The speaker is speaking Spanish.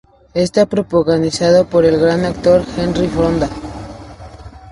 Está protagonizado por el gran actor Henry Fonda.